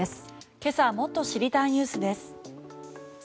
今朝もっと知りたいニュースです。